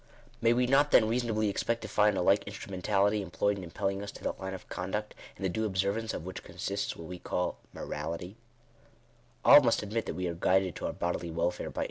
May we nbt then reasonably expect to find a like instru mentality employed in impelling us to that line of conduct, in the due observance of which consists what we call morality f , AU~m*9$ s admit that we are guided to our bodily welfare by